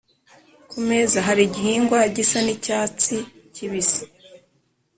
ku meza hari igihingwa gisa nicyatsi kibisi